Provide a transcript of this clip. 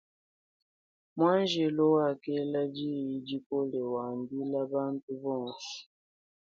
Muanjelo wakela diyi dikole wambila bantu bonso.